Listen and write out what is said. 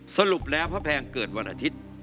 สรุปแล้วพระแพงเกิดวันอาทิตย์